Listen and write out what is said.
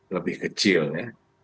lebih kecil ya